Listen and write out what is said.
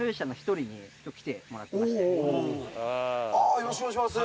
・よろしくお願いします。